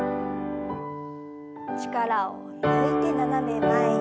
力を抜いて斜め前に。